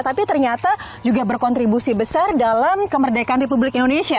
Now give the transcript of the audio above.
tapi ternyata juga berkontribusi besar dalam kemerdekaan republik indonesia